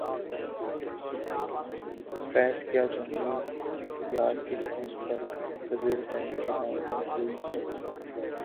فیضؔ کیا جانیے یار کس آس پر منتظر ہیں کہ لائے گا کوئی خبر